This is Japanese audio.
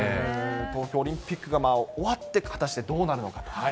東京オリンピックが終わって、果たしてどうなるのかと。